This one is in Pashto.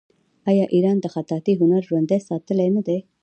آیا ایران د خطاطۍ هنر ژوندی ساتلی نه دی؟